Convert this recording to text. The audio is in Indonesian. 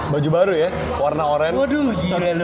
baju baru ya warna oranye